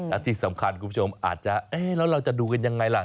และที่สำคัญคุณผู้ชมอาจจะเอ๊ะแล้วเราจะดูกันยังไงล่ะ